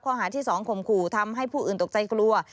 ข้อหาที่๒ข่มขู่ทำให้ผู้อื่นตกใจกลัว